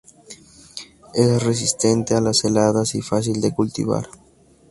Es resistente a las heladas y fácil de cultivar.